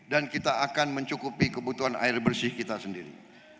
dan kita akan mencukupi kebutuhan air bersih kita sendiri